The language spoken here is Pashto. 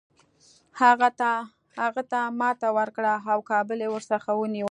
هغه ته ماته ورکړه او کابل یې ورڅخه ونیوی.